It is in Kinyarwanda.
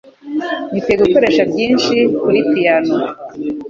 Niteguye gukoresha byinshi kuri piyano.